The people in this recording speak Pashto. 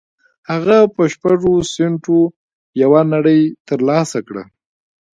هغه په شپږو سينټو يوه نړۍ تر لاسه کړه.